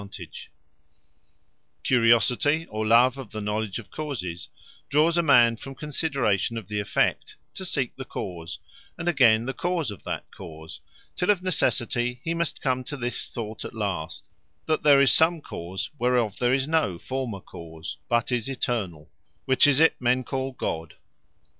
Naturall Religion, From The Same Curiosity, or love of the knowledge of causes, draws a man from consideration of the effect, to seek the cause; and again, the cause of that cause; till of necessity he must come to this thought at last, that there is some cause, whereof there is no former cause, but is eternall; which is it men call God.